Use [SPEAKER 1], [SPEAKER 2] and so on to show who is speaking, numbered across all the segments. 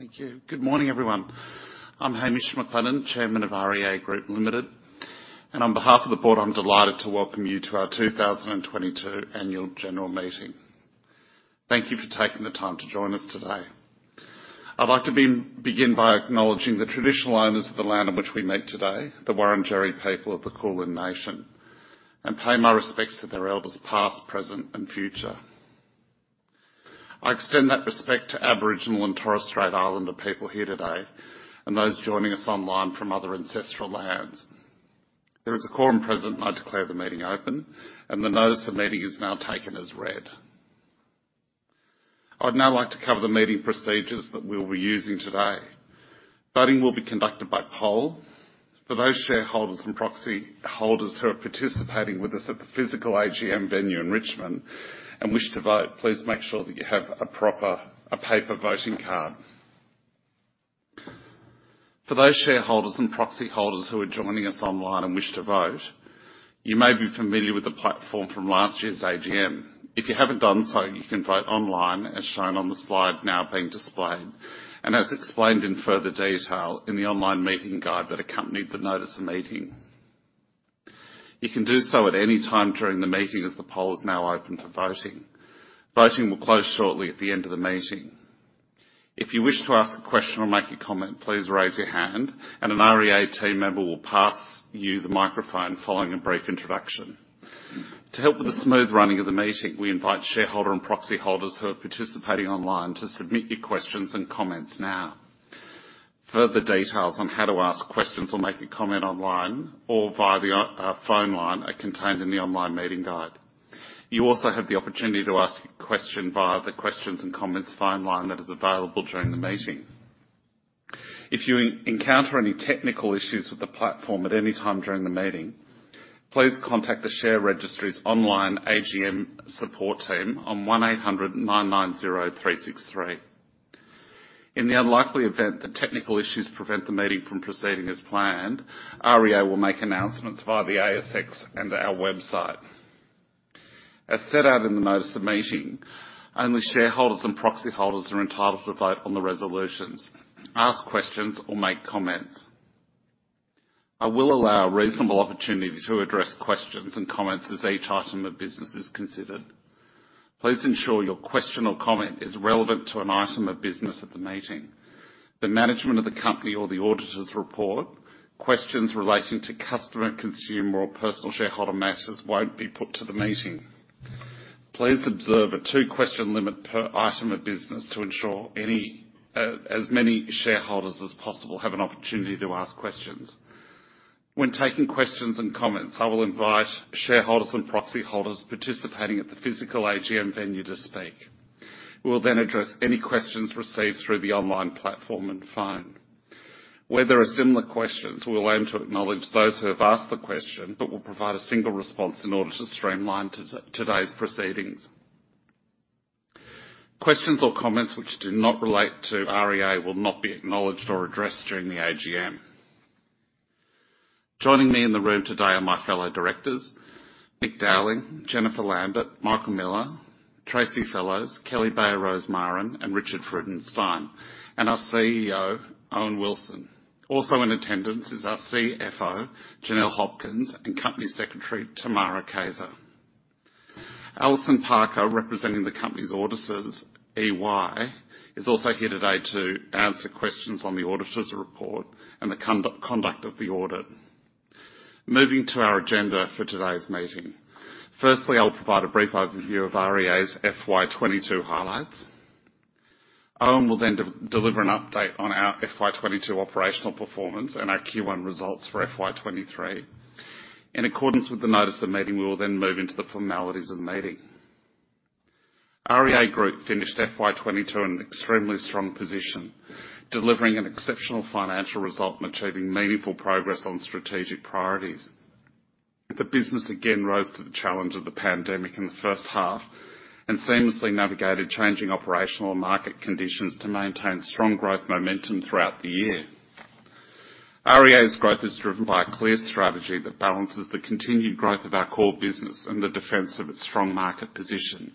[SPEAKER 1] Thank you. Good morning, everyone. I'm Hamish McLennan, Chairman of REA Group Limited. On behalf of the board, I'm delighted to welcome you to our 2022 annual general meeting. Thank you for taking the time to join us today. I'd like to begin by acknowledging the traditional owners of the land on which we meet today, the Wurundjeri people of the Kulin nation, and pay my respects to their elders past, present, and future. I extend that respect to Aboriginal and Torres Strait Islander people here today, and those joining us online from other ancestral lands. There is a quorum present, and I declare the meeting open, and the notice of the meeting is now taken as read. I'd now like to cover the meeting procedures that we'll be using today. Voting will be conducted by poll. For those shareholders and proxy holders who are participating with us at the physical AGM venue in Richmond and wish to vote, please make sure that you have a paper voting card. For those shareholders and proxy holders who are joining us online and wish to vote, you may be familiar with the platform from last year's AGM. If you haven't done so, you can vote online, as shown on the slide now being displayed, and as explained in further detail in the online meeting guide that accompanied the notice of meeting. You can do so at any time during the meeting, as the poll is now open for voting. Voting will close shortly at the end of the meeting. If you wish to ask a question or make a comment, please raise your hand and an REA team member will pass you the microphone following a brief introduction. To help with the smooth running of the meeting, we invite shareholder and proxy holders who are participating online to submit your questions and comments now. Further details on how to ask questions or make a comment online or via the phone line are contained in the online meeting guide. You also have the opportunity to ask a question via the questions and comments phone line that is available during the meeting. If you encounter any technical issues with the platform at any time during the meeting, please contact the share registry's online AGM support team on 1-800-990-363. In the unlikely event that technical issues prevent the meeting from proceeding as planned, REA will make announcements via the ASX and our website. As set out in the notice of meeting, only shareholders and proxy holders are entitled to vote on the resolutions, ask questions, or make comments. I will allow a reasonable opportunity to address questions and comments as each item of business is considered. Please ensure your question or comment is relevant to an item of business at the meeting. The management of the company or the auditor's report, questions relating to customer, consumer or personal shareholder matters won't be put to the meeting. Please observe a two-question limit per item of business to ensure any, as many shareholders as possible have an opportunity to ask questions. When taking questions and comments, I will invite shareholders and proxy holders participating at the physical AGM venue to speak. We will then address any questions received through the online platform and phone. Where there are similar questions, we will aim to acknowledge those who have asked the question, but will provide a single response in order to streamline today's proceedings. Questions or comments which do not relate to REA will not be acknowledged or addressed during the AGM. Joining me in the room today are my fellow directors, Nick Dowling, Jennifer Lambert, Michael Miller, Tracey Fellows, Kelly Bayer Rosmarin, and Richard Freudenstein, and our CEO, Owen Wilson. Also in attendance is our CFO, Janelle Hopkins, and Company Secretary, Tamara Kayser. Alison Parker, representing the company's auditors, EY, is also here today to answer questions on the auditor's report and the conduct of the audit. Moving to our agenda for today's meeting. Firstly, I'll provide a brief overview of REA's FY 2022 highlights. Owen will then deliver an update on our FY 2022 operational performance and our Q1 results for FY 2023. In accordance with the notice of meeting, we will then move into the formalities of the meeting. REA Group finished FY 2022 in an extremely strong position, delivering an exceptional financial result and achieving meaningful progress on strategic priorities. The business again rose to the challenge of the pandemic in the first half and seamlessly navigated changing operational and market conditions to maintain strong growth momentum throughout the year. REA's growth is driven by a clear strategy that balances the continued growth of our core business and the defense of its strong market position,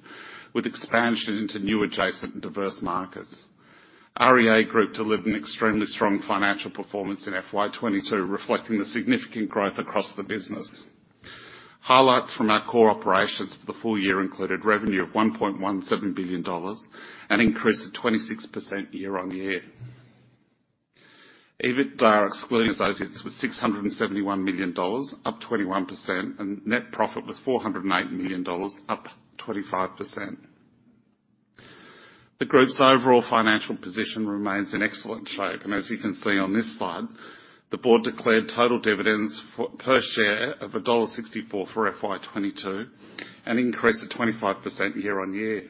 [SPEAKER 1] with expansion into new adjacent and diverse markets. REA Group delivered an extremely strong financial performance in FY 2022, reflecting the significant growth across the business. Highlights from our core operations for the full year included revenue of 1.17 billion dollars, an increase of 26% year-on-year. EBITDA excluding associates was AUD 671 million, up 21%, and net profit was AUD 408 million, up 25%. The group's overall financial position remains in excellent shape. As you can see on this slide, the board declared total dividends per share of dollar 1.64 for FY 2022, an increase of 25% year-on-year.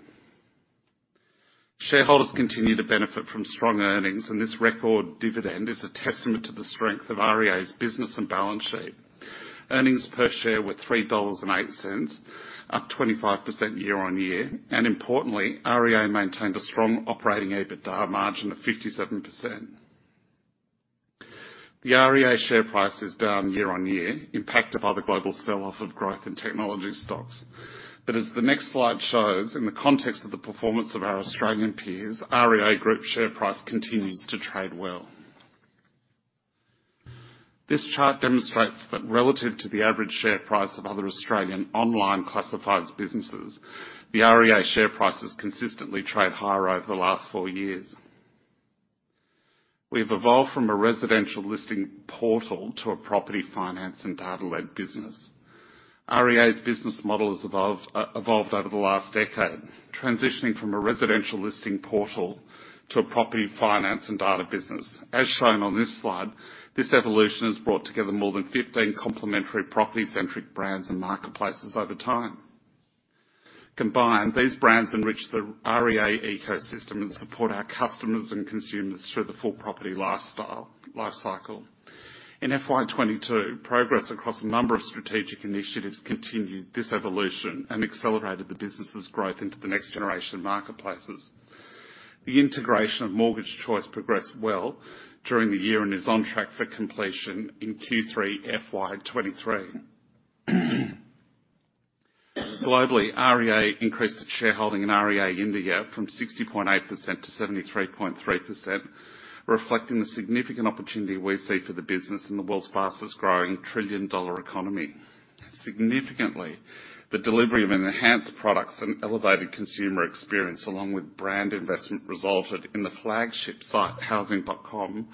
[SPEAKER 1] Shareholders continue to benefit from strong earnings, and this record dividend is a testament to the strength of REA's business and balance sheet. Earnings per share were 3.08, up 25% year-on-year. Importantly, REA maintained a strong operating EBITDA margin of 57%. The REA share price is down year on year, impacted by the global sell-off of growth in technology stocks. As the next slide shows, in the context of the performance of our Australian peers, REA Group share price continues to trade well. This chart demonstrates that relative to the average share price of other Australian online classifieds businesses, the REA share price has consistently traded higher over the last four years. We've evolved from a residential listing portal to a property finance and data-led business. REA's business model has evolved over the last decade, transitioning from a residential listing portal to a property finance and data business. As shown on this slide, this evolution has brought together more than 15 complementary property-centric brands and marketplaces over time. Combined, these brands enrich the REA ecosystem and support our customers and consumers through the full property lifestyle, life cycle. In FY 22, progress across a number of strategic initiatives continued this evolution and accelerated the business' growth into the next generation marketplaces. The integration of Mortgage Choice progressed well during the year and is on track for completion in Q3 FY 23. Globally, REA increased its shareholding in REA India from 60.8%-73.3%, reflecting the significant opportunity we see for the business in the world's fastest-growing trillion-dollar economy. Significantly, the delivery of enhanced products and elevated consumer experience, along with brand investment, resulted in the flagship site, Housing.com,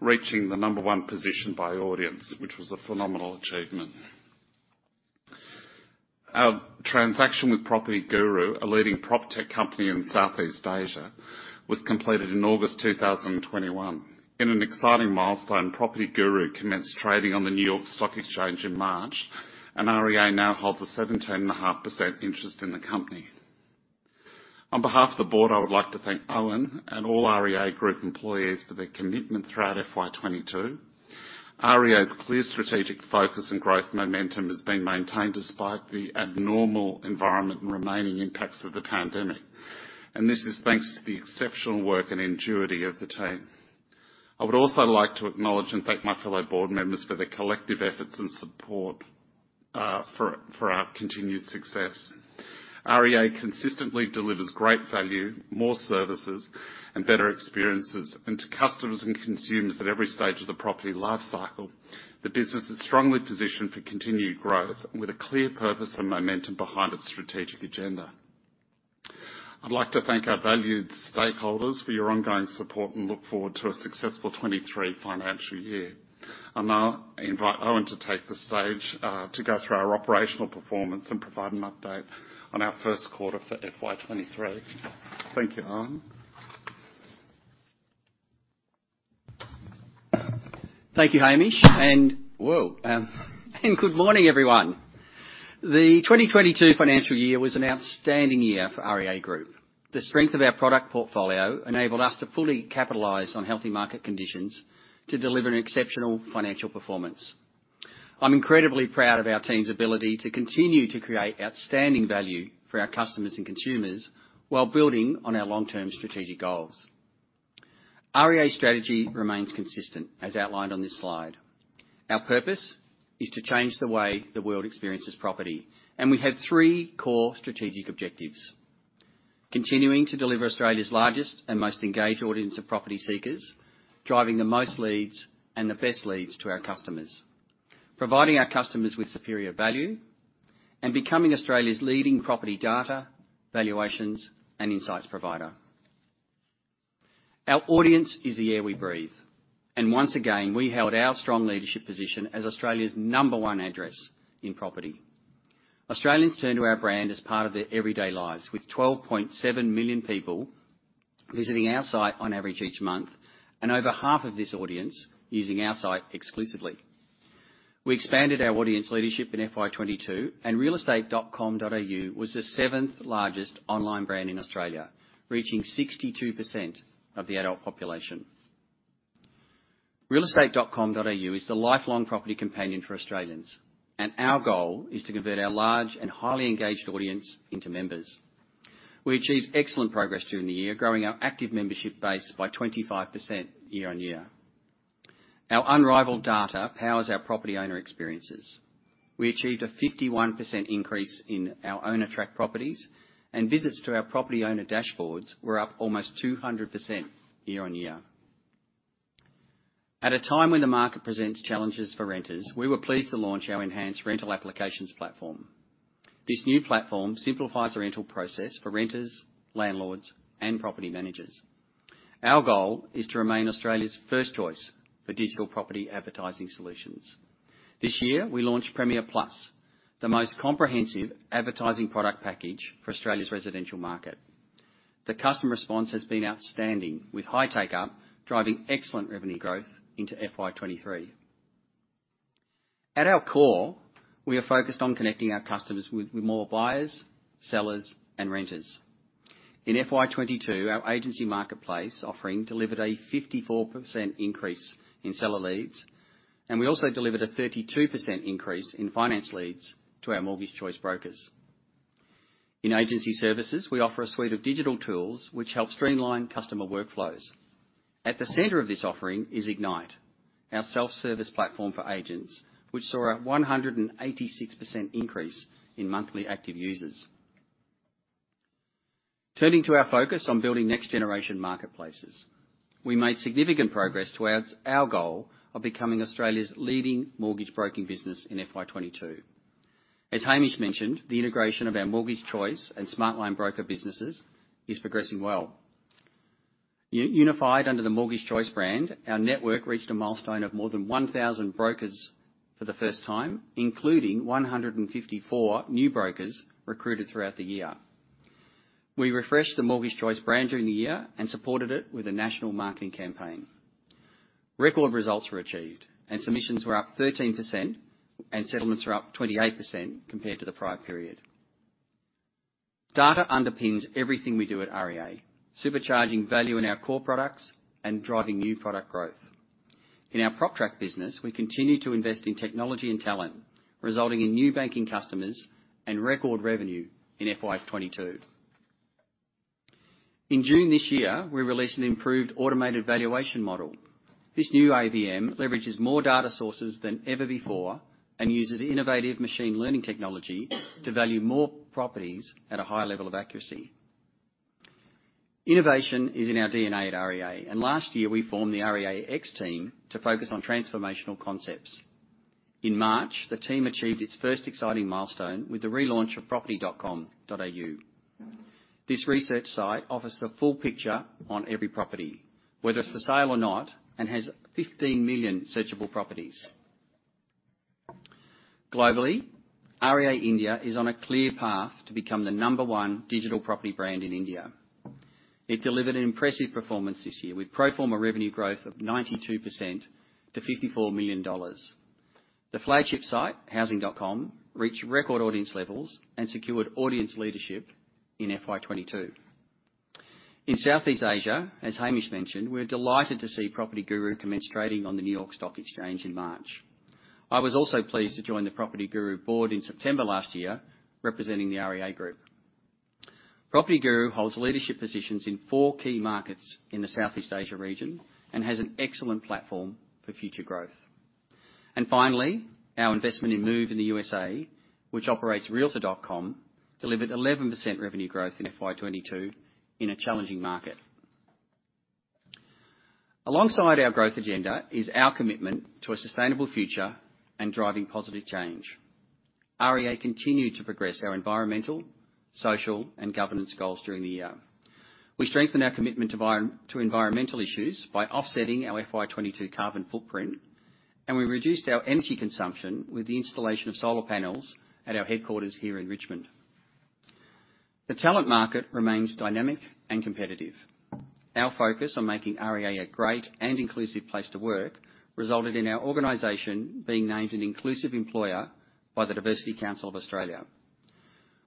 [SPEAKER 1] reaching the number one position by audience, which was a phenomenal achievement. Our transaction with PropertyGuru, a leading proptech company in Southeast Asia, was completed in August 2021. In an exciting milestone, PropertyGuru commenced trading on the New York Stock Exchange in March, and REA now holds a 17.5% interest in the company. On behalf of the board, I would like to thank Owen and all REA Group employees for their commitment throughout FY 2022. REA's clear strategic focus and growth momentum has been maintained despite the abnormal environment and remaining impacts of the pandemic, and this is thanks to the exceptional work and ingenuity of the team. I would also like to acknowledge and thank my fellow board members for their collective efforts and support for our continued success. REA consistently delivers great value, more services, and better experiences to customers and consumers at every stage of the property life cycle. The business is strongly positioned for continued growth and with a clear purpose and momentum behind its strategic agenda. I'd like to thank our valued stakeholders for your ongoing support and look forward to a successful 23 financial year. I'll now invite Owen to take the stage to go through our operational performance and provide an update on our first quarter for FY 23. Thank you. Owen?
[SPEAKER 2] Thank you, Hamish. Good morning, everyone. The 2022 financial year was an outstanding year for REA Group. The strength of our product portfolio enabled us to fully capitalize on healthy market conditions to deliver an exceptional financial performance. I'm incredibly proud of our team's ability to continue to create outstanding value for our customers and consumers while building on our long-term strategic goals. REA's strategy remains consistent, as outlined on this slide. Our purpose is to change the way the world experiences property, and we have three core strategic objectives, continuing to deliver Australia's largest and most engaged audience of property seekers, driving the most leads and the best leads to our customers, providing our customers with superior value, and becoming Australia's leading property data, valuations, and insights provider. Our audience is the air we breathe, and once again, we held our strong leadership position as Australia's number one address in property. Australians turn to our brand as part of their everyday lives, with 12.7 million people visiting our site on average each month, and over half of this audience using our site exclusively. We expanded our audience leadership in FY 2022, and realestate.com.au was the 7th-largest online brand in Australia, reaching 62% of the adult population. realestate.com.au is the lifelong property companion for Australians, and our goal is to convert our large and highly engaged audience into members. We achieved excellent progress during the year, growing our active membership base by 25% year-on-year. Our unrivaled data powers our property owner experiences. We achieved a 51% increase in our PropTrack properties, and visits to our property owner dashboards were up almost 200% year-on-year. At a time when the market presents challenges for renters, we were pleased to launch our enhanced rental applications platform. This new platform simplifies the rental process for renters, landlords, and property managers. Our goal is to remain Australia's first choice for digital property advertising solutions. This year, we launched Premier Plus, the most comprehensive advertising product package for Australia's residential market. The customer response has been outstanding, with high take-up driving excellent revenue growth into FY 2023. At our core, we are focused on connecting our customers with more buyers, sellers, and renters. In FY 2022, our agency marketplace offering delivered a 54% increase in seller leads, and we also delivered a 32% increase in finance leads to our Mortgage Choice brokers. In agency services, we offer a suite of digital tools which help streamline customer workflows. At the center of this offering is Ignite, our self-service platform for agents, which saw a 186% increase in monthly active users. Turning to our focus on building next generation marketplaces, we made significant progress towards our goal of becoming Australia's leading mortgage broking business in FY 2022. As Hamish mentioned, the integration of our Mortgage Choice and Smartline broker businesses is progressing well. Unified under the Mortgage Choice brand, our network reached a milestone of more than 1,000 brokers for the first time, including 154 new brokers recruited throughout the year. We refreshed the Mortgage Choice brand during the year and supported it with a national marketing campaign. Record results were achieved and submissions were up 13% and settlements were up 28% compared to the prior period. Data underpins everything we do at REA, supercharging value in our core products and driving new product growth. In our PropTrack business, we continue to invest in technology and talent, resulting in new banking customers and record revenue in FY 2022. In June this year, we released an improved automated valuation model. This new AVM leverages more data sources than ever before and uses innovative machine learning technology to value more properties at a higher level of accuracy. Innovation is in our DNA at REA, and last year we formed the REAx team to focus on transformational concepts. In March, the team achieved its first exciting milestone with the relaunch of property.com.au. This research site offers the full picture on every property, whether it's for sale or not, and has 15 million searchable properties. Globally, REA India is on a clear path to become the number one digital property brand in India. It delivered an impressive performance this year with pro forma revenue growth of 92% to 54 million dollars. The flagship site, Housing.com, reached record audience levels and secured audience leadership in FY 2022. In Southeast Asia, as Hamish mentioned, we're delighted to see PropertyGuru commence trading on the New York Stock Exchange in March. I was also pleased to join the PropertyGuru board in September last year representing the REA Group. PropertyGuru holds leadership positions in four key markets in the Southeast Asia region and has an excellent platform for future growth. Finally, our investment in Move in the USA, which operates realtor.com, delivered 11% revenue growth in FY 2022 in a challenging market. Alongside our growth agenda is our commitment to a sustainable future and driving positive change. REA continued to progress our environmental, social, and governance goals during the year. We strengthened our commitment to environmental issues by offsetting our FY 2022 carbon footprint, and we reduced our energy consumption with the installation of solar panels at our headquarters here in Richmond. The talent market remains dynamic and competitive. Our focus on making REA a great and inclusive place to work resulted in our organization being named an inclusive employer by the Diversity Council of Australia.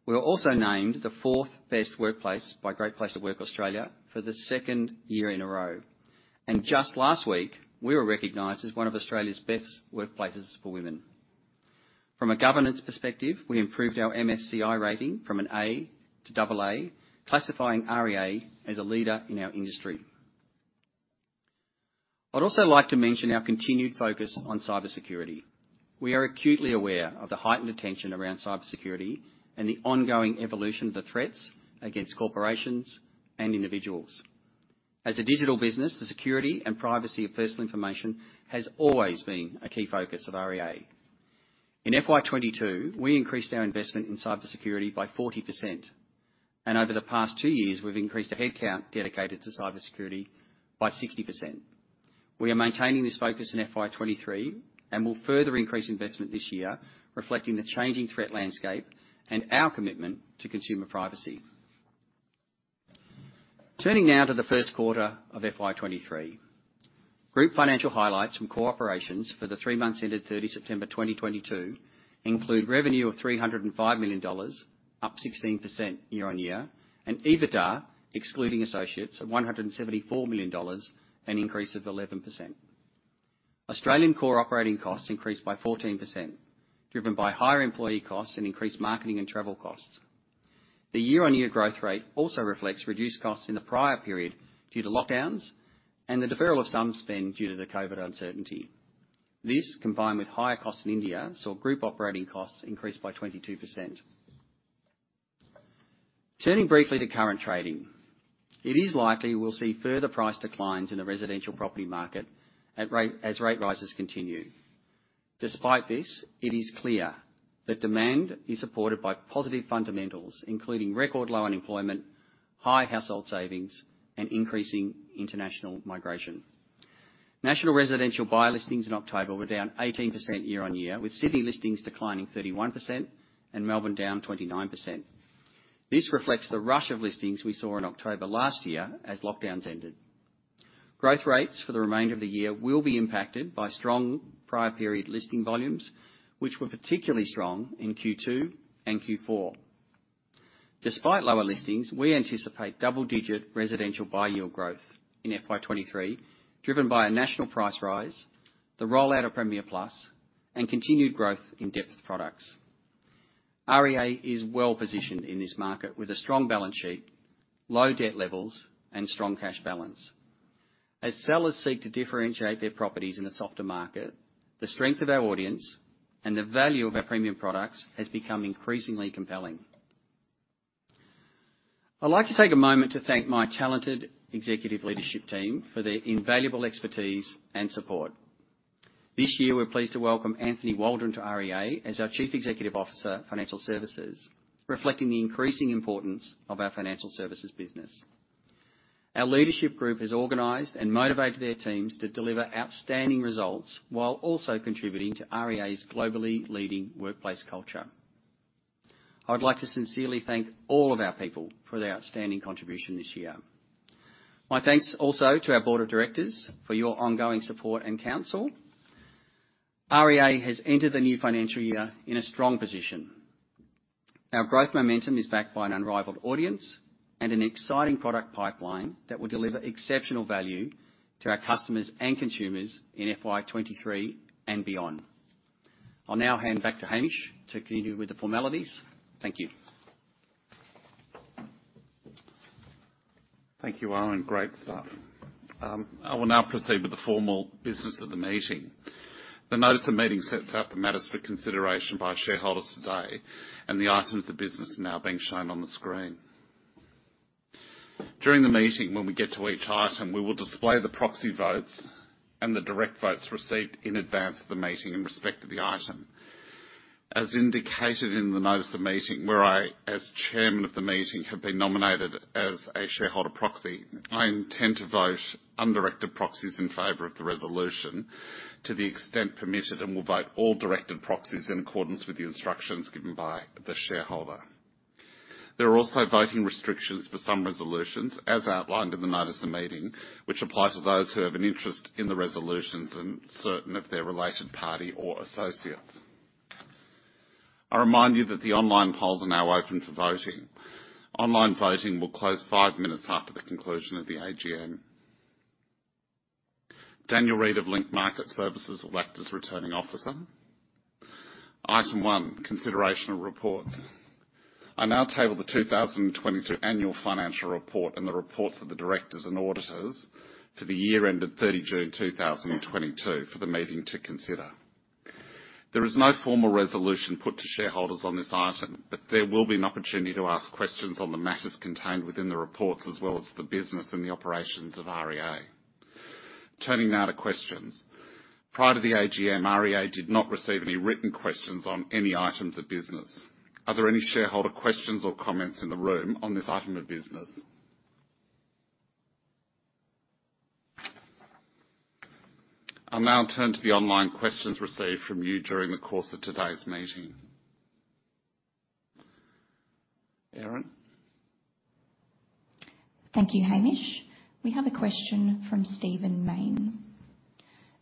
[SPEAKER 2] We were also named the fourth best workplace by Great Place to Work Australia for the second year in a row. Just last week, we were recognized as one of Australia's best workplaces for women. From a governance perspective, we improved our MSCI rating from an A to double A, classifying REA as a leader in our industry. I'd also like to mention our continued focus on cybersecurity. We are acutely aware of the heightened attention around cybersecurity and the ongoing evolution of the threats against corporations and individuals. As a digital business, the security and privacy of personal information has always been a key focus of REA. In FY 2022, we increased our investment in cybersecurity by 40%, and over the past two years, we've increased the headcount dedicated to cybersecurity by 60%. We are maintaining this focus in FY 2023 and will further increase investment this year, reflecting the changing threat landscape and our commitment to consumer privacy. Turning now to the first quarter of FY 2023. Group financial highlights from the Corporation's for the three months ended 30 September 2022 include revenue of 305 million dollars, up 16% year-on-year, and EBITDA, excluding associates, of 174 million dollars, an increase of 11%. Australian core operating costs increased by 14%, driven by higher employee costs and increased marketing and travel costs. The year-on-year growth rate also reflects reduced costs in the prior period due to lockdowns and the deferral of some spend due to the COVID uncertainty. This, combined with higher costs in India, saw group operating costs increase by 22%. Turning briefly to current trading. It is likely we'll see further price declines in the residential property market as rate rises continue. Despite this, it is clear that demand is supported by positive fundamentals, including record low unemployment, high household savings, and increasing international migration. National residential buyer listings in October were down 18% year-over-year, with city listings declining 31% and Melbourne down 29%. This reflects the rush of listings we saw in October last year as lockdowns ended. Growth rates for the remainder of the year will be impacted by strong prior period listing volumes, which were particularly strong in Q2 and Q4. Despite lower listings, we anticipate double-digit residential buy yield growth in FY 2023, driven by a national price rise, the rollout of Premier Plus, and continued growth in depth products. REA is well-positioned in this market with a strong balance sheet, low debt levels, and strong cash balance. As sellers seek to differentiate their properties in a softer market, the strength of our audience and the value of our premium products has become increasingly compelling. I'd like to take a moment to thank my talented executive leadership team for their invaluable expertise and support. This year, we're pleased to welcome Anthony Waldron to REA as our Chief Executive Officer of Financial Services, reflecting the increasing importance of our financial services business. Our leadership group has organized and motivated their teams to deliver outstanding results while also contributing to REA's globally leading workplace culture. I would like to sincerely thank all of our people for their outstanding contribution this year. My thanks also to our board of directors for your ongoing support and counsel. REA has entered the new financial year in a strong position. Our growth momentum is backed by an unrivaled audience and an exciting product pipeline that will deliver exceptional value to our customers and consumers in FY23 and beyond. I'll now hand back to Hamish to continue with the formalities. Thank you.
[SPEAKER 1] Thank you, Owen. Great stuff. I will now proceed with the formal business of the meeting. The notice of meeting sets out the matters for consideration by shareholders today, and the items of business are now being shown on the screen. During the meeting, when we get to each item, we will display the proxy votes and the direct votes received in advance of the meeting in respect to the item. As indicated in the notice of meeting, where I, as chairman of the meeting, have been nominated as a shareholder proxy, I intend to vote undirected proxies in favor of the resolution to the extent permitted, and will vote all directed proxies in accordance with the instructions given by the shareholder. There are also voting restrictions for some resolutions as outlined in the notice of meeting, which apply to those who have an interest in the resolutions and certain of their related party or associates. I remind you that the online polls are now open for voting. Online voting will close five minutes after the conclusion of the AGM. Daniel Reid of Link Market Services will act as Returning Officer. Item one, consideration of reports. I now table the 2022 annual financial report and the reports of the directors and auditors for the year ended 30 June 2022 for the meeting to consider. There is no formal resolution put to shareholders on this item, but there will be an opportunity to ask questions on the matters contained within the reports as well as the business and the operations of REA. Turning now to questions. Prior to the AGM, REA did not receive any written questions on any items of business. Are there any shareholder questions or comments in the room on this item of business? I'll now turn to the online questions received from you during the course of today's meeting. Erin?
[SPEAKER 3] Thank you, Hamish. We have a question from Stephen Mayne.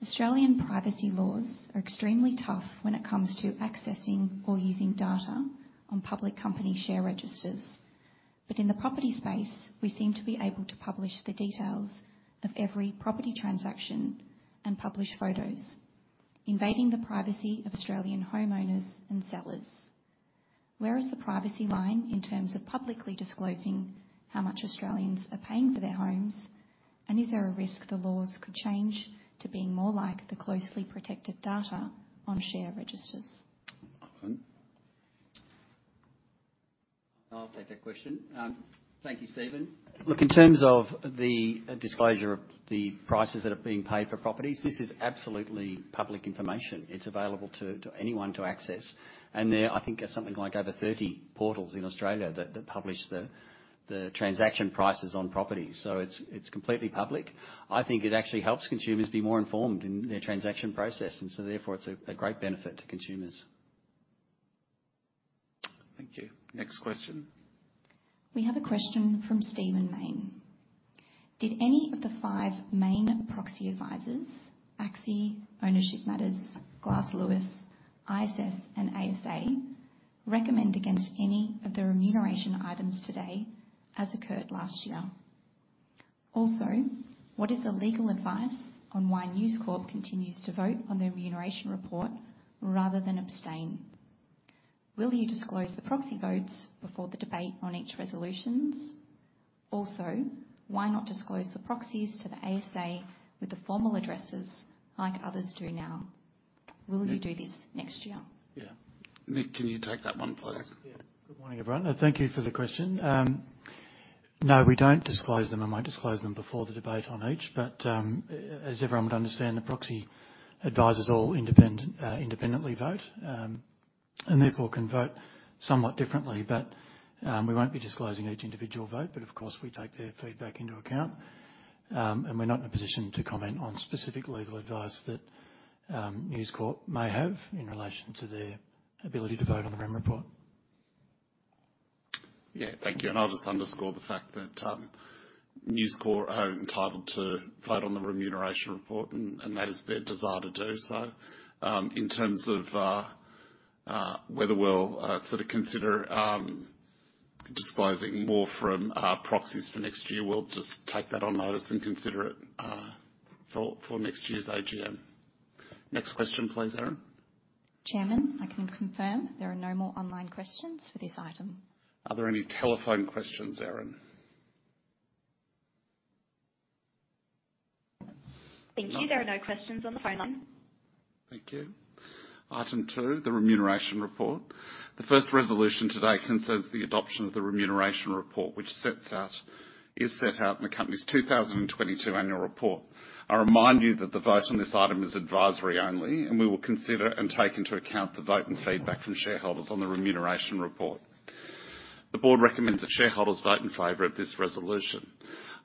[SPEAKER 3] Australian privacy laws are extremely tough when it comes to accessing or using data on public company share registers. In the property space, we seem to be able to publish the details of every property transaction and publish photos, invading the privacy of Australian homeowners and sellers. Where is the privacy line in terms of publicly disclosing how much Australians are paying for their homes? And is there a risk the laws could change to being more like the closely protected data on share registers?
[SPEAKER 1] Alan?
[SPEAKER 2] I'll take that question. Thank you, Stephen. Look, in terms of the disclosure of the prices that are being paid for properties, this is absolutely public information. It's available to anyone to access. There, I think, are something like over 30 portals in Australia that publish the transaction prices on properties. It's completely public. I think it actually helps consumers be more informed in their transaction process, and therefore it's a great benefit to consumers.
[SPEAKER 1] Thank you. Next question.
[SPEAKER 3] We have a question from Stephen Mayne. Did any of the five main proxy advisors, ACSI, Ownership Matters, Glass Lewis, ISS, and ASA, recommend against any of the remuneration items today as occurred last year? Also, what is the legal advice on why News Corp continues to vote on the remuneration report rather than abstain? Will you disclose the proxy votes before the debate on each resolutions? Also, why not disclose the proxies to the ASA with the formal addresses like others do now? Will you do this next year?
[SPEAKER 1] Yeah. Nick, can you take that one, please?
[SPEAKER 4] Yeah. Good morning, everyone, and thank you for the question. No, we don't disclose them and won't disclose them before the debate on each. As everyone would understand, the proxy advisors all independent, independently vote, and therefore can vote somewhat differently. We won't be disclosing each individual vote, but of course, we take their feedback into account. We're not in a position to comment on specific legal advice that News Corp may have in relation to their ability to vote on the remuneration report.
[SPEAKER 1] Yeah. Thank you. I'll just underscore the fact that News Corp are entitled to vote on the remuneration report, and that is their desire to do so. In terms of whether we'll sort of consider disclosing more from proxies for next year. We'll just take that on notice and consider it for next year's AGM. Next question, please, Erin.
[SPEAKER 3] Chairman, I can confirm there are no more online questions for this item.
[SPEAKER 1] Are there any telephone questions, Erin?
[SPEAKER 3] Thank you. There are no questions on the phone line.
[SPEAKER 1] Thank you. Item two, the remuneration report. The first resolution today concerns the adoption of the remuneration report, which is set out in the company's 2022 annual report. I remind you that the vote on this item is advisory only, and we will consider and take into account the vote and feedback from shareholders on the remuneration report. The board recommends that shareholders vote in favor of this resolution.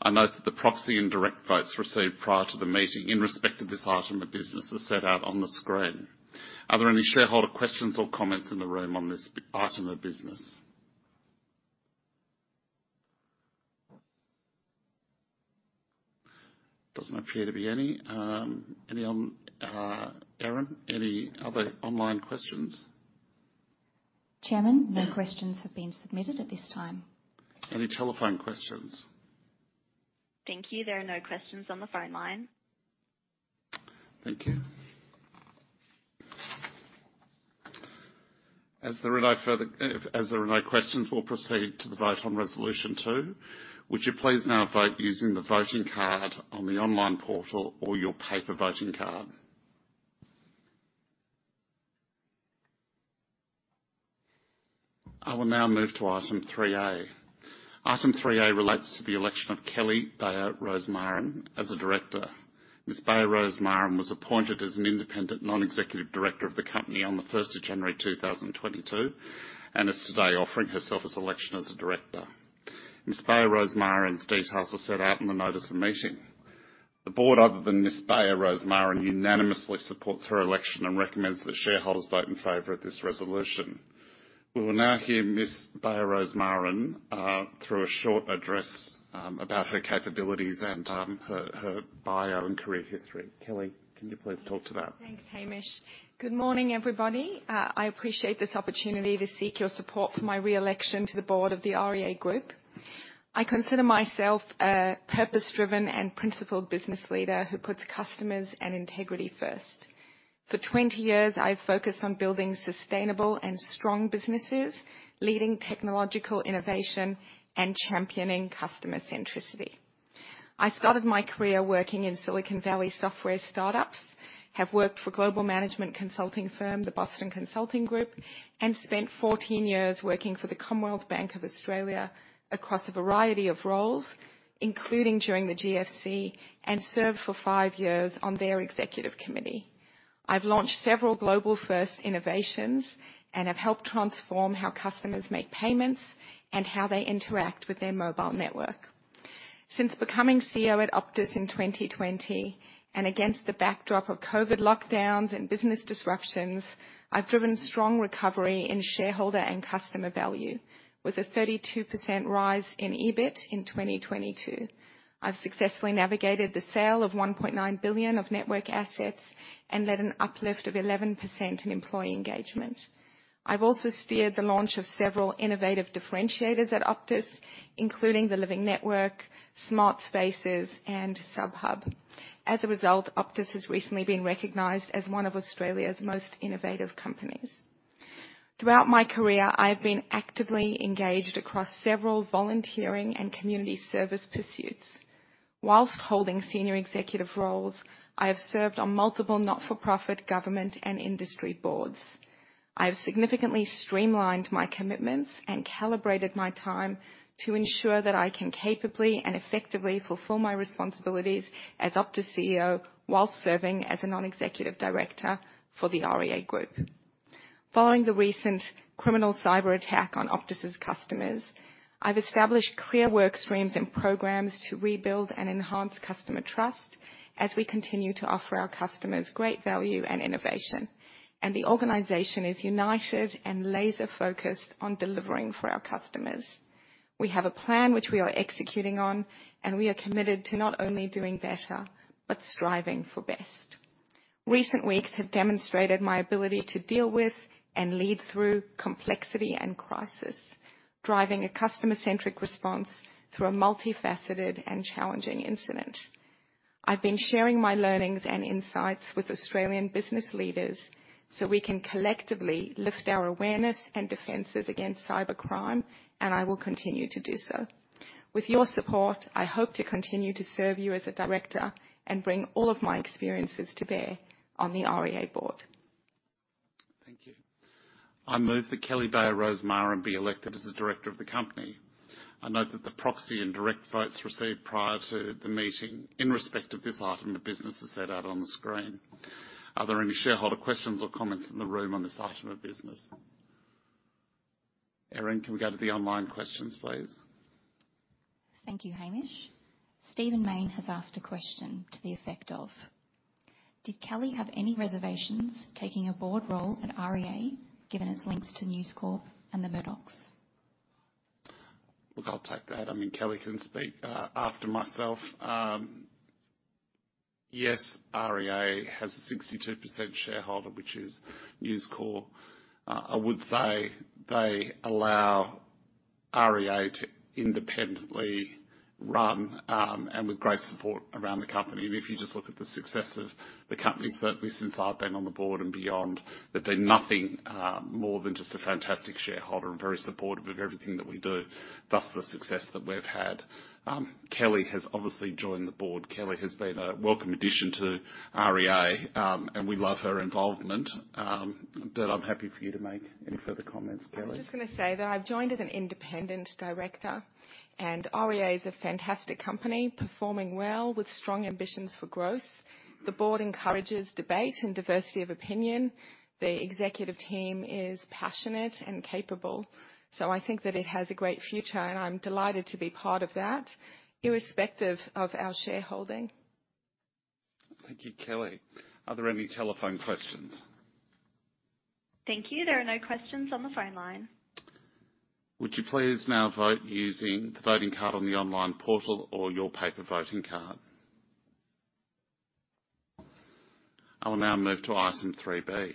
[SPEAKER 1] I note that the proxy and direct votes received prior to the meeting in respect of this item of business is set out on the screen. Are there any shareholder questions or comments in the room on this item of business? Doesn't appear to be any. Any online, Erin, any other online questions?
[SPEAKER 3] Chairman, no questions have been submitted at this time.
[SPEAKER 1] Any telephone questions?
[SPEAKER 3] Thank you. There are no questions on the phone line.
[SPEAKER 1] Thank you. As there are no questions, we'll proceed to the vote on resolution 2. Would you please now vote using the voting card on the online portal or your paper voting card? I will now move to item three A. Item three A relates to the election of Kelly Bayer Rosmarin as a director. Ms. Bayer Rosmarin was appointed as an independent non-executive director of the company on the first of January 2022, and is today offering herself for election as a director. Ms. Bayer Rosmarin's details are set out in the notice of meeting. The board, other than Ms. Bayer Rosmarin, unanimously supports her election and recommends that shareholders vote in favor of this resolution. We will now hear Ms. Bayer Rosmarin through a short address about her capabilities and her bio and career history. Kelly, can you please talk to that?
[SPEAKER 5] Thanks, Hamish. Good morning, everybody. I appreciate this opportunity to seek your support for my re-election to the board of the REA Group. I consider myself a purpose-driven and principled business leader who puts customers and integrity first. For 20 years, I've focused on building sustainable and strong businesses, leading technological innovation, and championing customer centricity. I started my career working in Silicon Valley software startups, have worked for global management consulting firm, the Boston Consulting Group, and spent 14 years working for the Commonwealth Bank of Australia across a variety of roles, including during the GFC, and served for five years on their executive committee. I've launched several global first innovations and have helped transform how customers make payments and how they interact with their mobile network. Since becoming CEO at Optus in 2020, and against the backdrop of COVID lockdowns and business disruptions, I've driven strong recovery in shareholder and customer value with a 32% rise in EBIT in 2022. I've successfully navigated the sale of 1.9 billion of network assets and led an uplift of 11% in employee engagement. I've also steered the launch of several innovative differentiators at Optus, including the Living Network, Smart Spaces, and SubHub. As a result, Optus has recently been recognized as one of Australia's most innovative companies. Throughout my career, I've been actively engaged across several volunteering and community service pursuits. While holding senior executive roles, I have served on multiple not-for-profit government and industry boards. I've significantly streamlined my commitments and calibrated my time to ensure that I can capably and effectively fulfill my responsibilities as Optus CEO while serving as a non-executive director for the REA Group. Following the recent criminal cyberattack on Optus' customers, I've established clear work streams and programs to rebuild and enhance customer trust as we continue to offer our customers great value and innovation. The organization is united and laser-focused on delivering for our customers. We have a plan which we are executing on, and we are committed to not only doing better but striving for best. Recent weeks have demonstrated my ability to deal with and lead through complexity and crisis, driving a customer-centric response through a multifaceted and challenging incident. I've been sharing my learnings and insights with Australian business leaders so we can collectively lift our awareness and defenses against cybercrime, and I will continue to do so. With your support, I hope to continue to serve you as a director and bring all of my experiences to bear on the REA board.
[SPEAKER 1] Thank you. I move that Kelly Bayer Rosmarin be elected as a director of the company. I note that the proxy and direct votes received prior to the meeting in respect of this item of business is set out on the screen. Are there any shareholder questions or comments in the room on this item of business? Erin, can we go to the online questions, please?
[SPEAKER 3] Thank you, Hamish. Stephen Mayne has asked a question to the effect of, "Did Kelly have any reservations taking a board role at REA, given its links to News Corp and the Murdochs?
[SPEAKER 1] Look, I'll take that. I mean, Kelly can speak after myself. Yes, REA has a 62% shareholder, which is News Corp. I would say they allow REA to independently run and with great support around the company. If you just look at the success of the company, certainly since I've been on the board and beyond, they've been nothing more than just a fantastic shareholder and very supportive of everything that we do, thus the success that we've had. Kelly has obviously joined the board. Kelly has been a welcome addition to REA, and we love her involvement. I'm happy for you to make any further comments, Kelly.
[SPEAKER 5] I was just gonna say that I've joined as an independent director, and REA is a fantastic company, performing well with strong ambitions for growth. The board encourages debate and diversity of opinion. The executive team is passionate and capable, so I think that it has a great future, and I'm delighted to be part of that, irrespective of our shareholding.
[SPEAKER 1] Thank you, Kelly. Are there any telephone questions?
[SPEAKER 3] Thank you. There are no questions on the phone line.
[SPEAKER 1] Would you please now vote using the voting card on the online portal or your paper voting card. I will now move to item three B.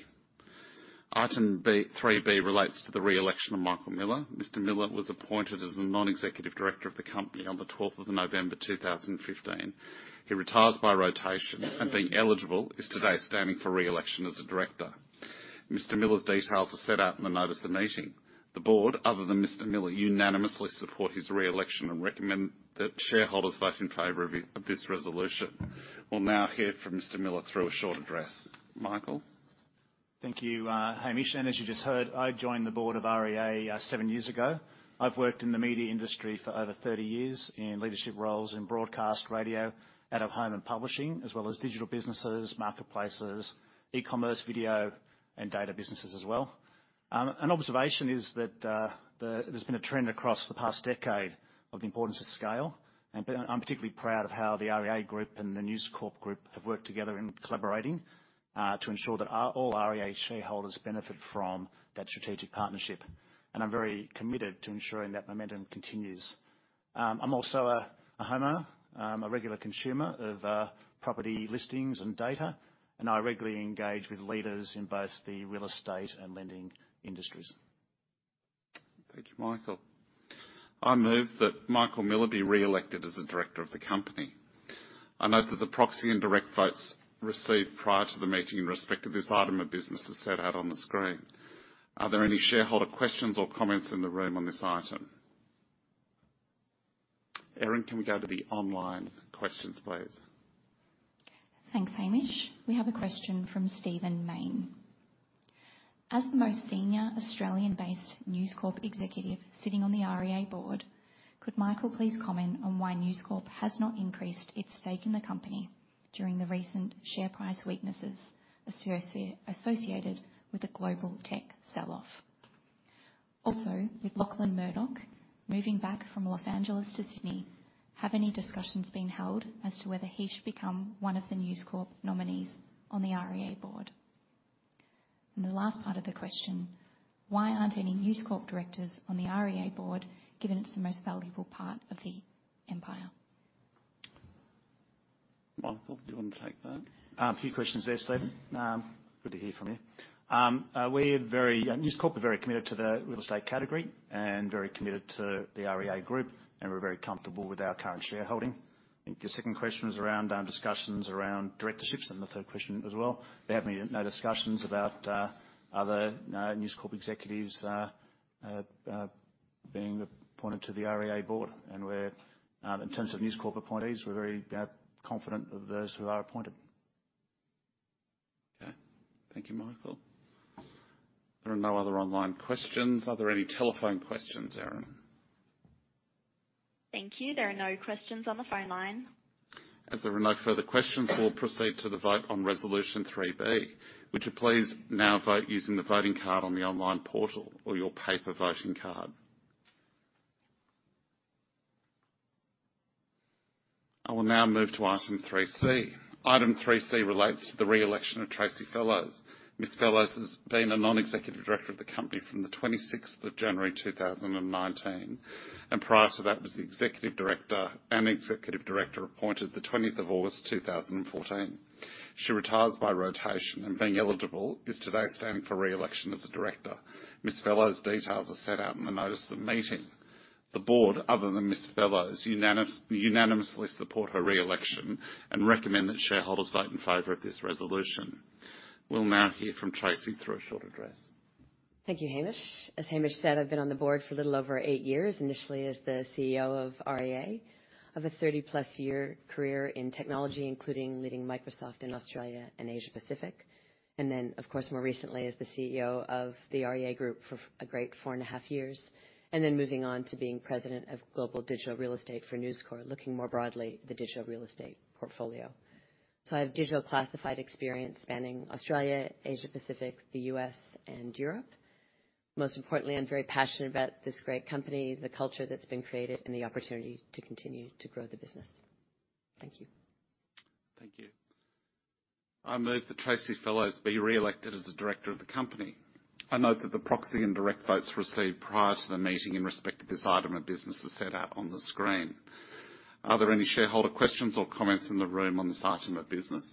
[SPEAKER 1] Item three B relates to the re-election of Michael Miller. Mr. Miller was appointed as the non-executive director of the company on the 12th of November 2015. He retires by rotation and being eligible, is today standing for re-election as a director. Mr. Miller's details are set out in the notice of the meeting. The board, other than Mr. Miller, unanimously support his re-election and recommend that shareholders vote in favor of this resolution. We'll now hear from Mr. Miller through a short address. Michael.
[SPEAKER 6] Thank you, Hamish. As you just heard, I joined the board of REA seven years ago. I've worked in the media industry for over 30 years in leadership roles in broadcast radio, out-of-home and publishing, as well as digital businesses, marketplaces, e-commerce, video and data businesses as well. An observation is that there's been a trend across the past decade of the importance of scale. I'm particularly proud of how the REA Group and the News Corp group have worked together in collaborating to ensure that all REA shareholders benefit from that strategic partnership. I'm very committed to ensuring that momentum continues. I'm also a homeowner, a regular consumer of property listings and data, and I regularly engage with leaders in both the real estate and lending industries.
[SPEAKER 1] Thank you, Michael. I move that Michael Miller be re-elected as a director of the company. I note that the proxy and direct votes received prior to the meeting in respect to this item of business is set out on the screen. Are there any shareholder questions or comments in the room on this item? Erin, can we go to the online questions, please?
[SPEAKER 3] Thanks, Hamish. We have a question from Stephen Mayne. As the most senior Australian-based News Corp executive sitting on the REA board, could Michael please comment on why News Corp has not increased its stake in the company during the recent share price weaknesses associated with the global tech sell-off? Also, with Lachlan Murdoch moving back from Los Angeles to Sydney, have any discussions been held as to whether he should become one of the News Corp nominees on the REA board? And the last part of the question, why aren't any News Corp directors on the REA board, given it's the most valuable part of the empire?
[SPEAKER 1] Michael, do you want to take that?
[SPEAKER 6] A few questions there, Stephen. Good to hear from you. News Corp are very committed to the real estate category and very committed to the REA Group, and we're very comfortable with our current shareholding. Your second question was around discussions around directorships and the third question as well. There have been no discussions about other News Corp executives being appointed to the REA board. We're in terms of News Corp appointees, we're very confident of those who are appointed.
[SPEAKER 1] Okay. Thank you, Michael. There are no other online questions. Are there any telephone questions, Erin?
[SPEAKER 3] Thank you. There are no questions on the phone line.
[SPEAKER 1] As there are no further questions, we'll proceed to the vote on resolution three B. Would you please now vote using the voting card on the online portal or your paper voting card. I will now move to item three C. Item three C relates to the re-election of Tracey Fellows. Ms. Fellows has been a non-executive director of the company from the 26th of January 2019, and prior to that was the executive director appointed the 20th of August 2014. She retires by rotation and being eligible, is today standing for re-election as a director. Ms. Fellows' details are set out in the notice of the meeting. The board, other than Ms. Fellows, unanimously support her re-election and recommend that shareholders vote in favor of this resolution. We'll now hear from Tracey through a short address.
[SPEAKER 7] Thank you, Hamish. As Hamish said, I've been on the board for a little over eight years. Initially as the CEO of REA. I've a thirty-plus year career in technology, including leading Microsoft in Australia and Asia Pacific, and then, of course, more recently as the CEO of the REA Group for a great four and a half years, and then moving on to being President of Global Digital Real Estate for News Corp, looking more broadly the digital real estate portfolio. I have digital classified experience spanning Australia, Asia Pacific, the U.S. and Europe. Most importantly, I'm very passionate about this great company, the culture that's been created, and the opportunity to continue to grow the business. Thank you.
[SPEAKER 1] Thank you. I move that Tracey Fellows be reelected as a director of the company. I note that the proxy and direct votes received prior to the meeting in respect to this item of business is set out on the screen. Are there any shareholder questions or comments in the room on this item of business?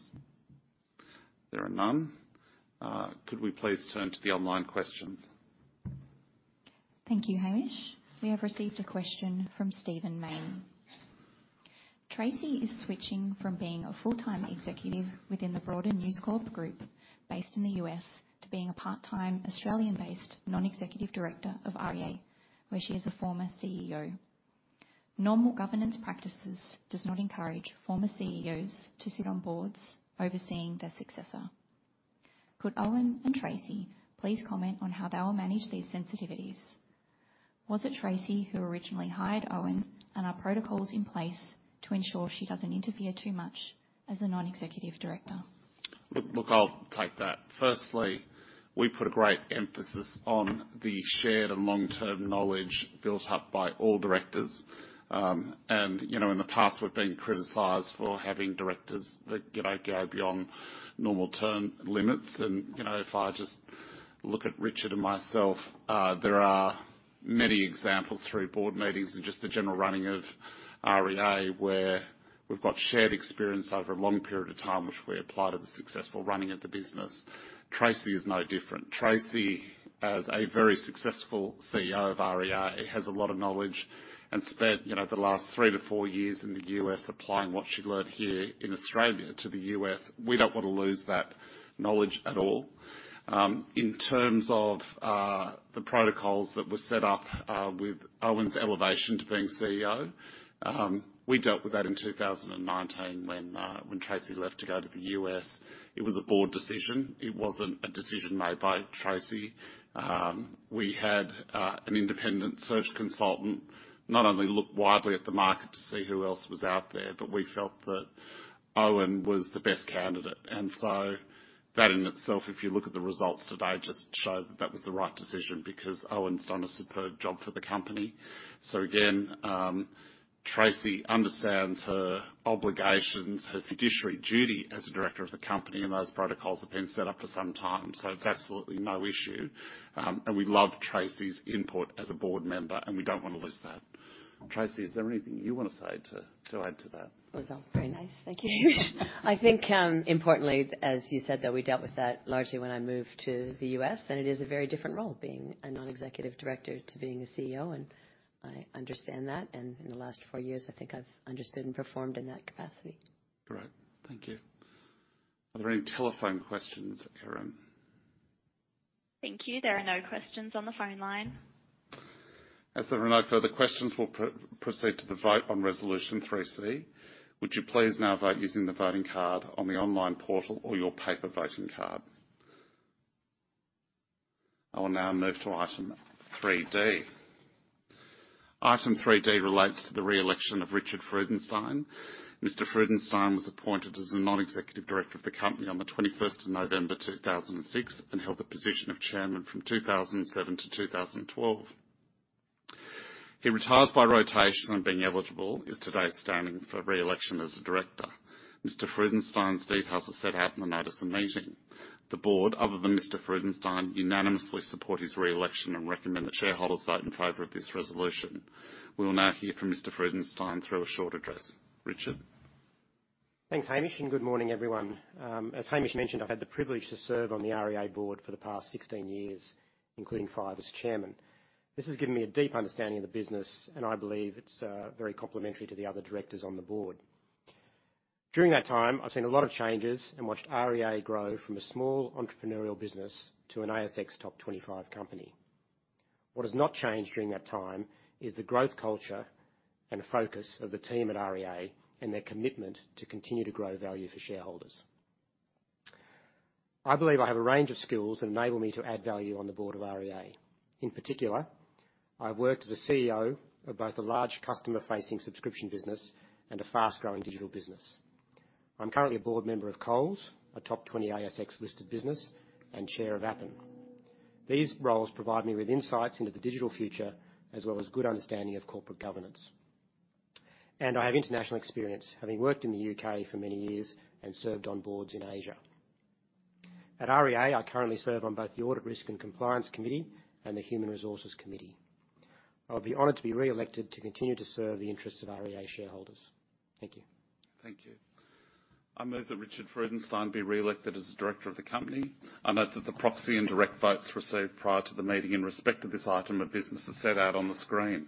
[SPEAKER 1] There are none. Could we please turn to the online questions?
[SPEAKER 3] Thank you, Hamish. We have received a question from Stephen Mayne. Tracey is switching from being a full-time executive within the broader News Corp group based in the U.S. to being a part-time Australian-based non-executive director of REA, where she is a former CEO. Normal governance practices does not encourage former CEOs to sit on boards overseeing their successor. Could Owen and Tracey please comment on how they'll manage these sensitivities? Was it Tracey who originally hired Owen, and are protocols in place to ensure she doesn't interfere too much as a non-executive director?
[SPEAKER 1] Look, I'll take that. Firstly, we put a great emphasis on the shared and long-term knowledge built up by all directors. You know, in the past, we've been criticized for having directors that, you know, go beyond normal term limits. You know, if I just look at Richard and myself, there are many examples through board meetings and just the general running of REA where we've got shared experience over a long period of time, which we apply to the successful running of the business. Tracey is no different. Tracey, as a very successful CEO of REA, has a lot of knowledge and spent, you know, the last 3 years-4 years in the US applying what she learned here in Australia to the US. We don't wanna lose that knowledge at all. In terms of the protocols that were set up with Owen's elevation to being CEO, we dealt with that in 2019 when Tracey left to go to the US. It was a board decision. It wasn't a decision made by Tracey. We had an independent search consultant not only look widely at the market to see who else was out there, but we felt that Owen was the best candidate. That in itself, if you look at the results today, just show that was the right decision because Owen's done a superb job for the company. Tracey understands her obligations, her fiduciary duty as a director of the company and those protocols have been set up for some time. It's absolutely no issue. We love Tracey's input as a board member, and we don't wanna lose that. Tracey, is there anything you wanna say to add to that?
[SPEAKER 7] It was all very nice. Thank you. I think, importantly, as you said, that we dealt with that largely when I moved to the U.S., and it is a very different role being a non-executive director to being a CEO, and I understand that. In the last four years, I think I've understood and performed in that capacity.
[SPEAKER 1] Great. Thank you. Are there any telephone questions, Erin?
[SPEAKER 3] Thank you. There are no questions on the phone line.
[SPEAKER 1] As there are no further questions, we'll proceed to the vote on resolution three C. Would you please now vote using the voting card on the online portal or your paper voting card? I will now move to item three D. Item three D relates to the reelection of Richard Freudenstein. Mr. Freudenstein was appointed as a non-executive director of the company on the 21st of November, 2006, and held the position of chairman from 2007 to 2012. He retires by rotation and being eligible is today standing for reelection as a director. Mr. Freudenstein's details are set out in the notice of meeting. The board, other than Mr. Freudenstein, unanimously support his reelection and recommend that shareholders vote in favor of this resolution. We will now hear from Mr. Freudenstein through a short address. Richard?
[SPEAKER 8] Thanks, Hamish, and good morning, everyone. As Hamish mentioned, I've had the privilege to serve on the REA board for the past 16 years, including five as chairman. This has given me a deep understanding of the business, and I believe it's very complementary to the other directors on the board. During that time, I've seen a lot of changes and watched REA grow from a small entrepreneurial business to an ASX Top 25 company. What has not changed during that time is the growth culture and focus of the team at REA and their commitment to continue to grow value for shareholders. I believe I have a range of skills that enable me to add value on the board of REA. In particular, I've worked as a CEO of both a large customer-facing subscription business and a fast-growing digital business. I'm currently a board member of Coles, a top 20 ASX listed business and chair of Appen. These roles provide me with insights into the digital future as well as good understanding of corporate governance. I have international experience, having worked in the U.K. for many years and served on boards in Asia. At REA, I currently serve on both the Audit, Risk & Compliance Committee and the Human Resources Committee. I'll be honored to be reelected to continue to serve the interests of REA shareholders. Thank you.
[SPEAKER 1] Thank you. I move that Richard Freudenstein be reelected as director of the company. I note that the proxy and direct votes received prior to the meeting in respect to this item of business are set out on the screen.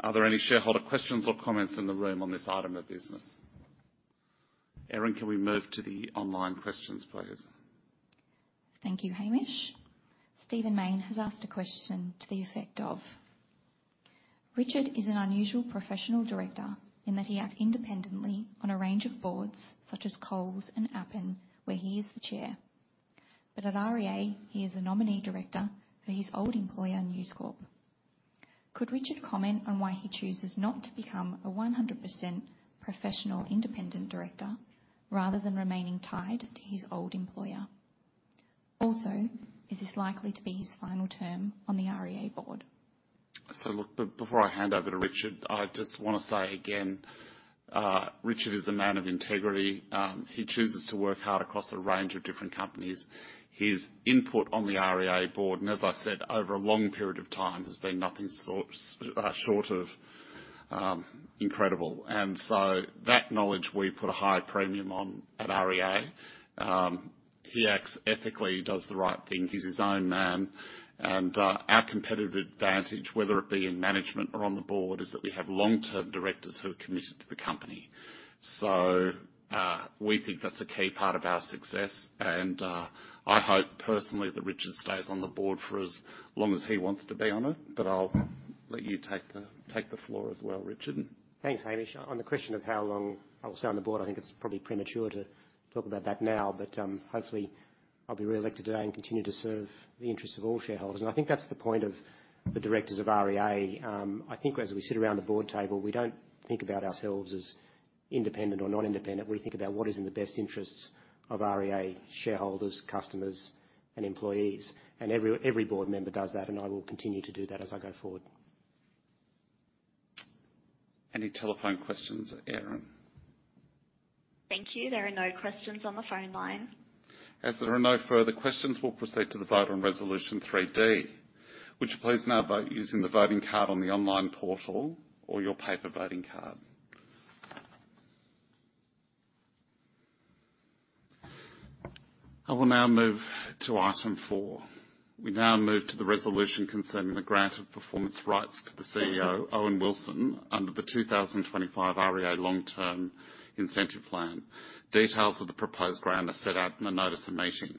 [SPEAKER 1] Are there any shareholder questions or comments in the room on this item of business? Erin, can we move to the online questions, please?
[SPEAKER 3] Thank you, Hamish. Stephen Mayne has asked a question to the effect of, Richard is an unusual professional director in that he acts independently on a range of boards such as Coles and Appen, where he is the chair. At REA, he is a nominee director for his old employer, News Corp. Could Richard comment on why he chooses not to become a 100% professional independent director rather than remaining tied to his old employer? Also, is this likely to be his final term on the REA board?
[SPEAKER 1] Look, before I hand over to Richard, I just wanna say again, Richard is a man of integrity. He chooses to work hard across a range of different companies. His input on the REA board, and as I said, over a long period of time, has been nothing short of incredible. That knowledge we put a high premium on at REA. He acts ethically, does the right thing. He's his own man. Our competitive advantage, whether it be in management or on the board, is that we have long-term directors who are committed to the company. We think that's a key part of our success. I hope personally that Richard stays on the board for as long as he wants to be on it. But I'll let you take the floor as well, Richard.
[SPEAKER 8] Thanks, Hamish. On the question of how long I will stay on the board, I think it's probably premature to talk about that now. Hopefully I'll be reelected today and continue to serve the interests of all shareholders. I think that's the point of the directors of REA. I think as we sit around the board table, we don't think about ourselves as independent or not independent. We think about what is in the best interests of REA shareholders, customers, and employees. Every board member does that, and I will continue to do that as I go forward.
[SPEAKER 1] Any telephone questions, Erin?
[SPEAKER 3] Thank you. There are no questions on the phone line.
[SPEAKER 1] As there are no further questions, we'll proceed to the vote on resolution 3D. Would you please now vote using the voting card on the online portal or your paper voting card. I will now move to item four. We now move to the resolution concerning the grant of performance rights to the CEO, Owen Wilson, under the 2025 REA Long Term Incentive Plan. Details of the proposed grant are set out in the notice of meeting.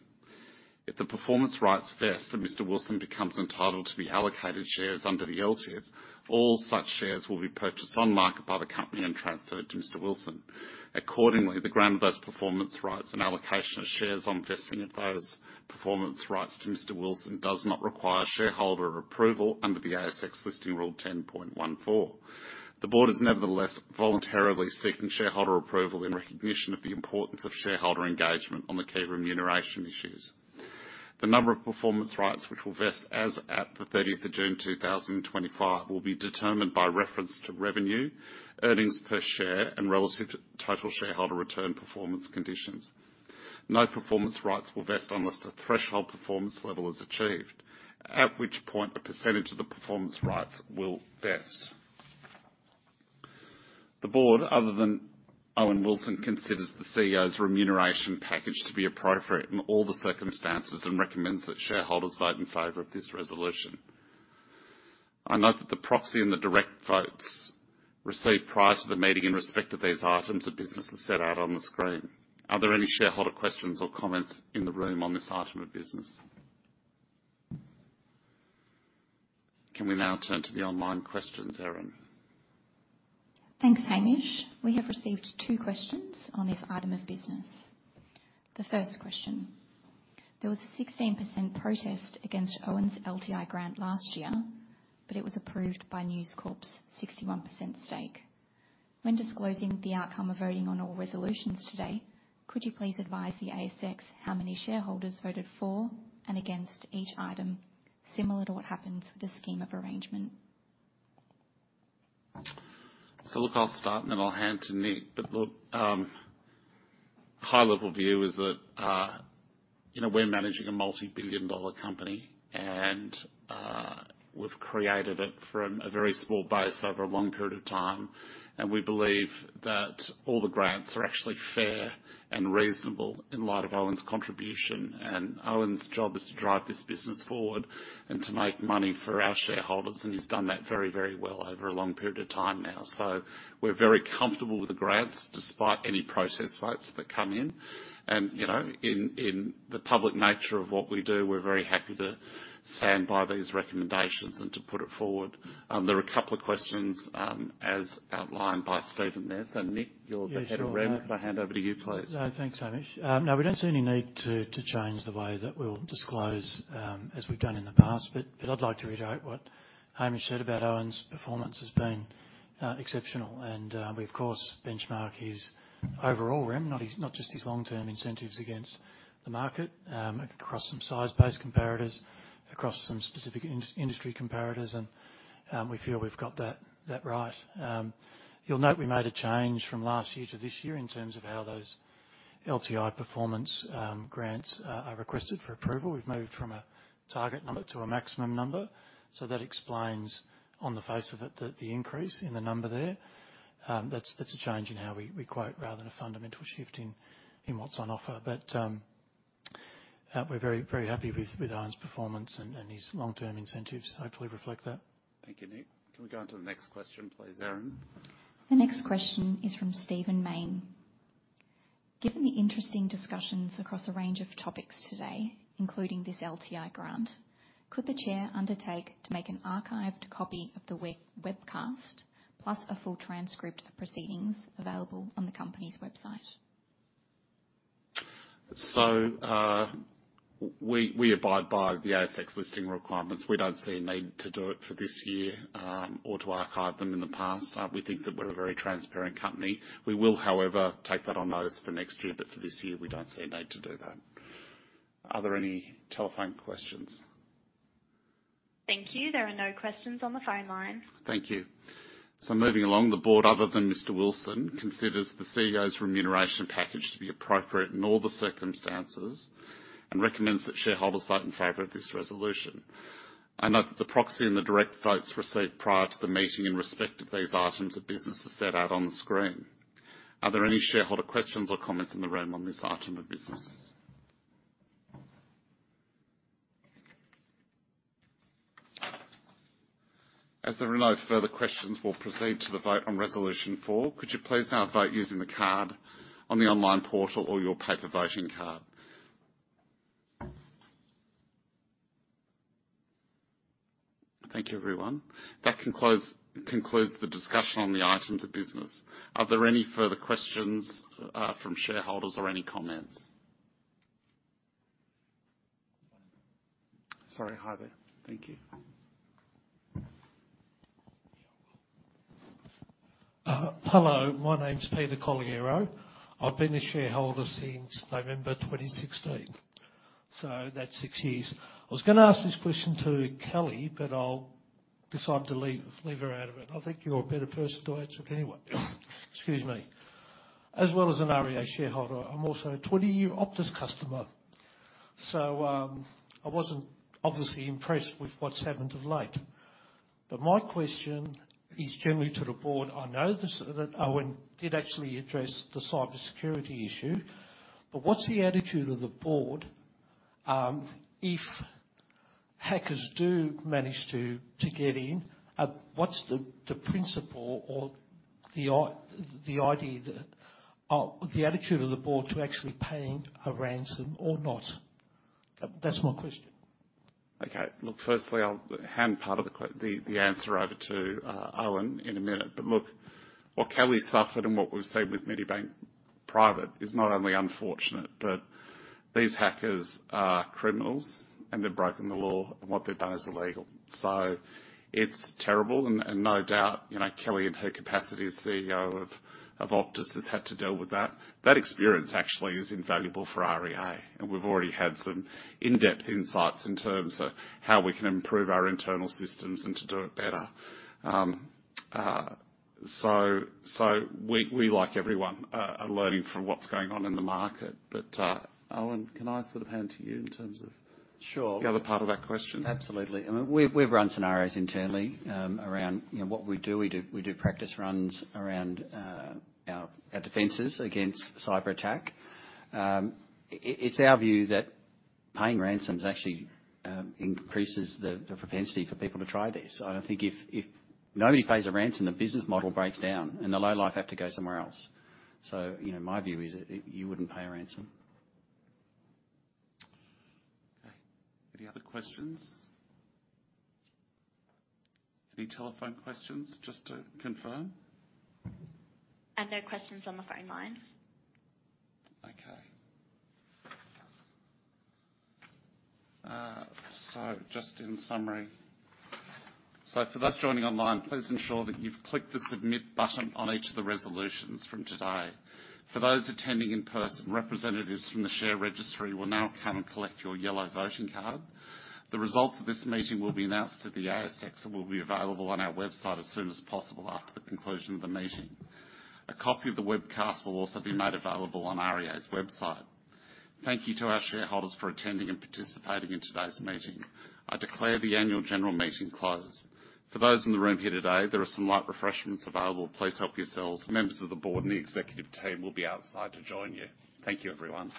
[SPEAKER 1] If the performance rights vest and Mr. Wilson becomes entitled to be allocated shares under the LTIP, all such shares will be purchased on market by the company and transferred to Mr. Wilson. Accordingly, the grant of those performance rights and allocation of shares on vesting of those performance rights to Mr. Wilson does not require shareholder approval under the ASX Listing Rule 10.14. The board is nevertheless voluntarily seeking shareholder approval in recognition of the importance of shareholder engagement on the key remuneration issues. The number of performance rights which will vest as at the 30th of June 2025 will be determined by reference to revenue, earnings per share, and relative total shareholder return performance conditions. No performance rights will vest unless the threshold performance level is achieved, at which point a percentage of the performance rights will vest. The board, other than Owen Wilson, considers the CEO's remuneration package to be appropriate in all the circumstances and recommends that shareholders vote in favor of this resolution. I note that the proxy and the direct votes received prior to the meeting in respect of these items of business are set out on the screen. Are there any shareholder questions or comments in the room on this item of business? Can we now turn to the online questions, Erin?
[SPEAKER 3] Thanks, Hamish. We have received two questions on this item of business. The first question: There was a 16% protest against Owen's LTI grant last year, but it was approved by News Corp's 61% stake. When disclosing the outcome of voting on all resolutions today, could you please advise the ASX how many shareholders voted for and against each item, similar to what happens with the scheme of arrangement?
[SPEAKER 1] Look, I'll start and then I'll hand to Nick. Look, high level view is that, you know, we're managing a multi-billion dollar company, and we've created it from a very small base over a long period of time. We believe that all the grants are actually fair and reasonable in light of Owen's contribution. Owen's job is to drive this business forward and to make money for our shareholders, and he's done that very, very well over a long period of time now. We're very comfortable with the grants, despite any protest votes that come in. You know, in the public nature of what we do, we're very happy to stand by these recommendations and to put it forward. There are a couple of questions, as outlined by Stephen there. Nick, you're the head of REM-
[SPEAKER 4] Yeah, sure.
[SPEAKER 1] Could I hand over to you, please?
[SPEAKER 4] Thanks, Hamish. No, we don't see any need to change the way that we'll disclose as we've done in the past. I'd like to reiterate what Hamish said about Owen's performance has been exceptional. We of course benchmark his overall REM, not just his long-term incentives against the market, across some size-based comparators, across some specific industry comparators, and we feel we've got that right. You'll note we made a change from last year to this year in terms of how those LTI performance grants are requested for approval. We've moved from a target number to a maximum number. That explains on the face of it that the increase in the number there, that's a change in how we quote rather than a fundamental shift in what's on offer. We're very happy with Owen's performance and his long-term incentives hopefully reflect that.
[SPEAKER 1] Thank you, Nick. Can we go on to the next question, please, Erin?
[SPEAKER 3] The next question is from Stephen Mayne. Given the interesting discussions across a range of topics today, including this LTI grant, could the chair undertake to make an archived copy of the webcast plus a full transcript of proceedings available on the company's website?
[SPEAKER 1] We abide by the ASX listing requirements. We don't see a need to do it for this year, or to archive them in the past. We think that we're a very transparent company. We will, however, take that on notice for next year, but for this year, we don't see a need to do that. Are there any telephone questions?
[SPEAKER 3] Thank you. There are no questions on the phone line.
[SPEAKER 1] Thank you. Moving along the board, other than Mr. Wilson, considers the CEO's remuneration package to be appropriate in all the circumstances and recommends that shareholders vote in favor of this resolution. I note that the proxy and the direct votes received prior to the meeting in respect of these items of business are set out on the screen. Are there any shareholder questions or comments in the room on this item of business? As there are no further questions, we'll proceed to the vote on resolution four. Could you please now vote using the card on the online portal or your paper voting card. Thank you everyone. That concludes the discussion on the items of business. Are there any further questions, from shareholders or any comments? Sorry. Hi there. Thank you.
[SPEAKER 9] Hello, my name's Peter Calliriero. I've been a shareholder since November 2016, so that's six years. I was gonna ask this question to Kelly, but I'll decide to leave her out of it. I think you're a better person to answer it anyway. Excuse me. As well as an REA shareholder, I'm also a 20-year Optus customer, so I wasn't obviously impressed with what's happened of late. My question is generally to the board. I know this, that Owen did actually address the cybersecurity issue, but what's the attitude of the board, if hackers do manage to get in, what's the principle or the idea that, the attitude of the board to actually paying a ransom or not? That's my question.
[SPEAKER 1] Okay. Look, firstly, I'll hand part of the answer over to Owen in a minute. Look, what Kelly suffered and what we've seen with Medibank Private is not only unfortunate, but these hackers are criminals, and they've broken the law, and what they've done is illegal. It's terrible and no doubt, you know, Kelly, in her capacity as CEO of Optus, has had to deal with that. That experience actually is invaluable for REA, and we've already had some in-depth insights in terms of how we can improve our internal systems and to do it better. We, like everyone, are learning from what's going on in the market. Owen, can I sort of hand to you in terms of-
[SPEAKER 2] Sure.
[SPEAKER 1] the other part of that question?
[SPEAKER 2] Absolutely. I mean, we've run scenarios internally, around, you know, what we do. We do practice runs around our defenses against cyberattack. It's our view that paying ransoms actually increases the propensity for people to try this. I think if nobody pays a ransom, the business model breaks down and the lowlife have to go somewhere else. You know, my view is that you wouldn't pay a ransom.
[SPEAKER 1] Okay. Any other questions? Any telephone questions, just to confirm?
[SPEAKER 3] No questions on the phone line.
[SPEAKER 1] Okay. Just in summary. For those joining online, please ensure that you've clicked the Submit button on each of the resolutions from today. For those attending in person, representatives from the share registry will now come and collect your yellow voting card. The results of this meeting will be announced at the ASX and will be available on our website as soon as possible after the conclusion of the meeting. A copy of the webcast will also be made available on REA's website. Thank you to our shareholders for attending and participating in today's meeting. I declare the annual general meeting closed. For those in the room here today, there are some light refreshments available. Please help yourselves. Members of the board and the executive team will be outside to join you. Thank you everyone.